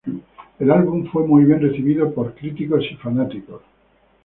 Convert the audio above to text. El álbum fue muy bien recibido por críticos y fanáticos.